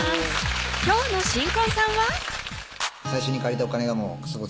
今日の新婚さんは？